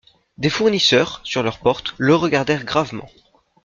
Des fournisseurs, sur leurs portes, le regardèrent gravement.